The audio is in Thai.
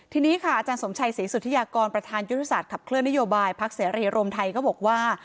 ทีนี้ค่ะอาจารย์สมชัยศรีสุธิยากรประธานยุทธศาสตร์ขับเคลื่อนนโยบายพักเสรีรวมไทยก็บอกว่า